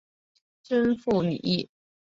祖父李毅。